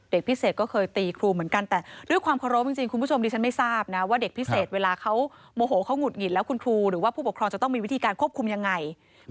เด็กพิเศษก็เคยตีครูเหมือนกันแต่ด้วยความเคารพจริงคุณผู้ชมดิฉันไม่ทราบนะว่าเด็กพิเศษเวลาเขาโมโหเขาหุดหงิดแล้วคุณครูหรือว่าผู้ปกครองจะต้องมีวิธีการควบคุมยังไง